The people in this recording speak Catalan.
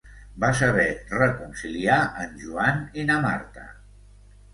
Va saber reconciliar en Joan i na Marta.